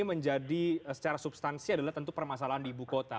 yang menjadi secara substansi adalah tentu permasalahan di ibu kota